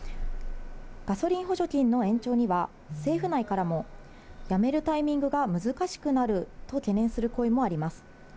ガソリン補助金の延長には、政府内からもやめるタイミングが難しくなると懸念する声もあります。